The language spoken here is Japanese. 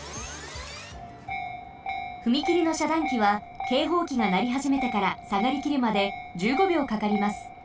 ふみきりのしゃだんきはけいほうきがなりはじめてからさがりきるまで１５秒かかります。